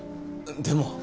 でも。